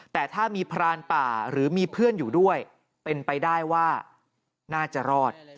แต่ถ้ามีพรานป่าหรือมีเพื่อนอยู่ด้วยเป็นไปได้ว่าน่าจะรอด